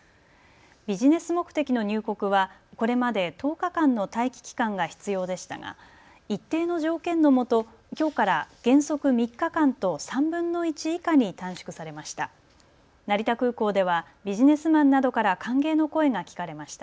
ビジネス目的の入国はこれまで１０日間の待機期間が必要でしたが一定の条件のもと、きょうから原則３日間と３分の１以下に短縮されました。